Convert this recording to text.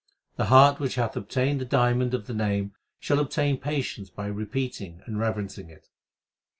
The heart which hath obtained the diamond of the Name Shall obtain patience by repeating and reverencing it.